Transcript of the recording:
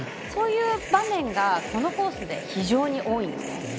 そういう場面がこのコースで非常に多いんですね。